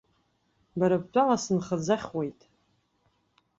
Бара бтәала, сынхаӡахуеит.